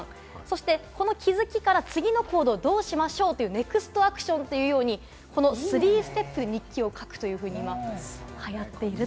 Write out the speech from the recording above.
そして気づきから次の行動をどうしましょう？というネクストアクションというように、３ＳＴＥＰの日記を書くというふうになっています。